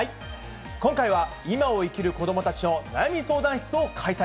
今回は今を生きる子どもたちの悩み相談室を開催。